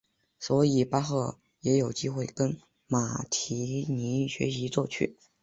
所以巴赫也有机会跟马蒂尼学习作曲。